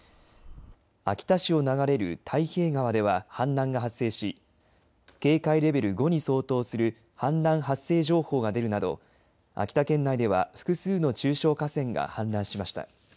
秋田市を流れる太平川では氾濫が発生し警戒レベル５に相当する氾濫発生情報が出るなど秋田県内では複数の中小河川が氾濫しました。